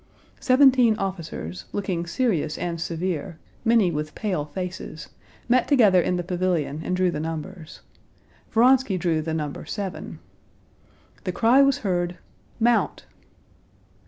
Seventeen officers, looking serious and severe, many with pale faces, met together in the pavilion and drew the numbers. Vronsky drew the number seven. The cry was heard: "Mount!"